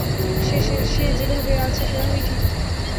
সে যেভাবে আছে সেভাবেই ঠিক।